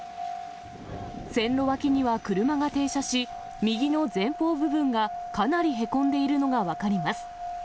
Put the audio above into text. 線路脇には車が停車し、右の前方部分がかなりへこんでいるのが分かります。